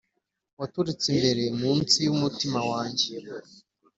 waturutse imbere, munsi yumutima wanjye.